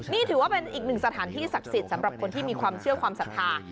นี่ถือว่าเป็นอีกหนึ่งสถานที่ศักดิ์สิทธิ์สำหรับคนที่มีความเชื่อความศรัทธา